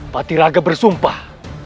pak tiraga bersumpah